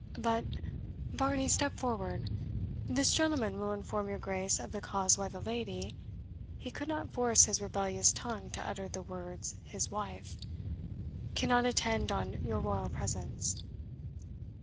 But Varney, step forward this gentleman will inform your Grace of the cause why the lady" (he could not force his rebellious tongue to utter the words HIS WIFE) "cannot attend on your royal presence."